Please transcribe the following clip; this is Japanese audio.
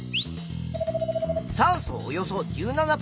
酸素およそ１７％。